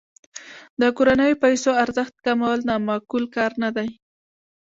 د کورنیو پیسو ارزښت کمول نا معقول کار نه دی.